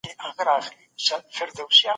هغوی د جګړې د امکان په اړه فکر کاوه.